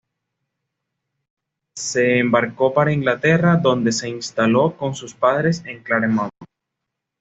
Se embarcó para Inglaterra, donde se instaló con sus padres en Claremont.